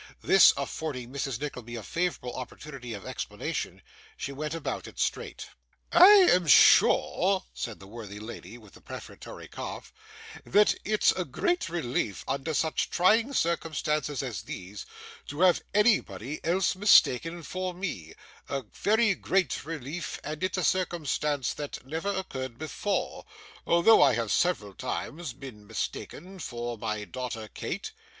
This affording Mrs. Nickleby a favourable opportunity of explanation, she went about it straight. 'I am sure,' said the worthy lady, with a prefatory cough, 'that it's a great relief, under such trying circumstances as these, to have anybody else mistaken for me a very great relief; and it's a circumstance that never occurred before, although I have several times been mistaken for my daughter Kate.